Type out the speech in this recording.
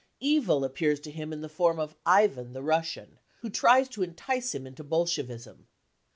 Evil appears to him in the form of Ivan, \ tiie Russian, who tries to entice him into Bolshevism.